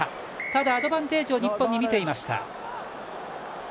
ただアドバンテージを日本にみていました。